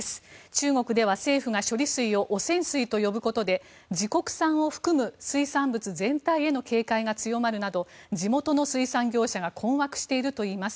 中国では政府が処理水を汚染水と呼ぶことで自国産を含む水産物全体への警戒が強まるなど地元の水産業者が困惑しているといいます。